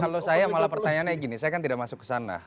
kalau saya malah pertanyaannya gini saya kan tidak masuk ke sana